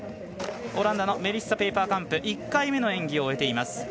オランダのメリッサ・ペイパーカンプ１回目の演技を終えています。